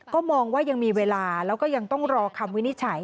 ก็มองว่ายังมีเวลาแล้วก็ยังต้องรอคำวินิจฉัย